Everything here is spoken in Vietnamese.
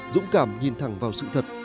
dũng cảm nhìn thẳng vào sự thật